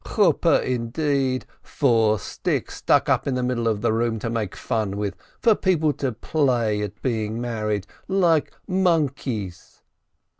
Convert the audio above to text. Canopy, indeed ! Four sticks stuck up in the middle of the room to make fun with, for people to play at being married, like monkeys!